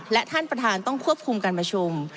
และท่านประธานต้องควบคุมการประชุม